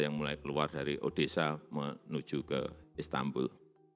yang mulai keluar dari odessa menuju ke istanbul